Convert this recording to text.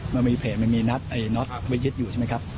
มันมีเพลตมันมีนัดไว้ยึดอยู่ใช่ไหมครับ